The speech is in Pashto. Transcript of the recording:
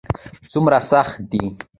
څومره سخته ده ؟